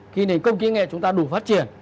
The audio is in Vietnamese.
khi nền công kỹ nghệ chúng ta đủ phát triển